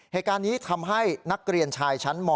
เหตุการณ์นี้ทำให้นักเรียนชายชั้นม๔